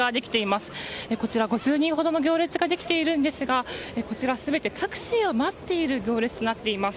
こちら５０人ほどの行列ができているんですがこちら全てタクシーを待っている行列となっています。